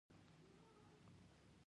احمد په لانجه کې ګوته لرله.